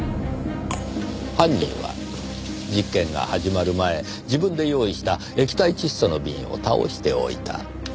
犯人は実験が始まる前自分で用意した液体窒素の瓶を倒しておいた。